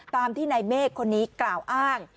ตามที่นายเมฆคนนี้กล่าวอ้าง